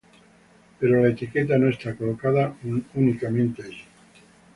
Pero la etiqueta no está colocada únicamente allí.